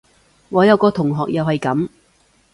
我有個同學又係噉